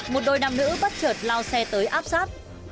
một đôi đàm nữ bắt chợt lao xe tới áp sát